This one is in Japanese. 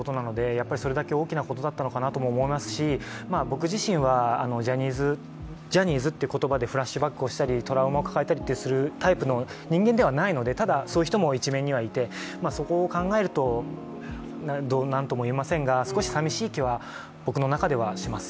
やっぱりそれだけ大きなことだったのかなと思いますし、僕自身はジャニーズという言葉でフラッシュバックをしたりトラウマを抱えたりするタイプの人間ではないので、ただそういう人も一面にはいて、そこを考えると何ともいえませんが、少し寂しい気が僕の中ではします。